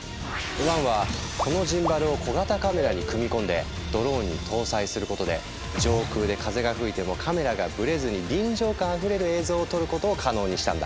ワンはこのジンバルを小型カメラに組み込んでドローンに搭載することで上空で風が吹いてもカメラがブレずに臨場感あふれる映像を撮ることを可能にしたんだ。